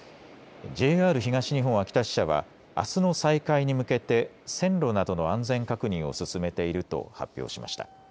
ＪＲ東日本秋田支社はあすの再開に向けて線路などの安全確認を進めていると発表しました。